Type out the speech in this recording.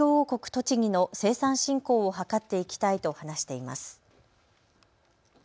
とちぎの生産振興を図っていきたいと話しています。